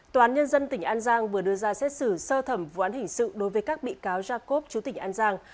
tòa án nhân dân tỉnh an giang vừa đưa ra xét xử sơ thẩm vụ án hình sự đối với các bị cáo jacob chú tỉnh an giang